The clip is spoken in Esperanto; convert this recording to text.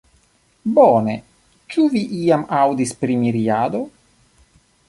Bone, ĉu vi iam aŭdis pri miriado?